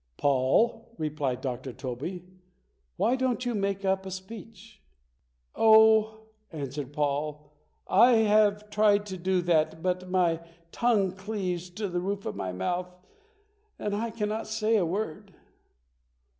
"Paul," replied Dr. Tobey, "why don't you make up a speech?" "Oh", answered Paul, "I have tried to do that but my tongue cleaves to the roof of my mouth and I cannot say a word".